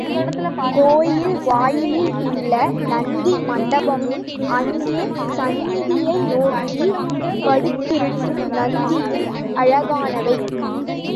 கோயில் வாயிலில் உள்ள நந்தி மண்டபமும், அங்கே சந்நிதியை நோக்கிப் படுத்திருக்கும் நந்தியும் அழகானவை.